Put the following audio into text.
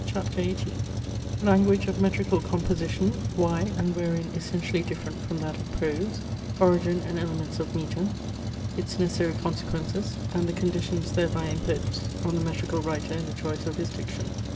CHAPTER XVIII Language of metrical composition, why and wherein essentially different from that of prose Origin and elements of metre Its necessary consequences, and the conditions thereby imposed on the metrical writer in the choice of his diction.